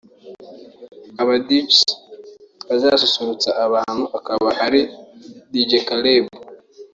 Aba Djs bazasusurutsa abantu akaba ari Dj Kreb